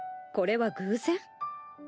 これは偶然？